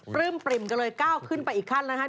ปลื้มปริ่มกันเลยก้าวขึ้นไปอีกขั้นนะคะ